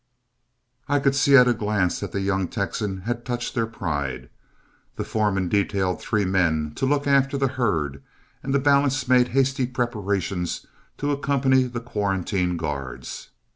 I could see at a glance that the young Texan had touched their pride. The foreman detailed three men to look after the herd, and the balance made hasty preparations to accompany the quarantine guards.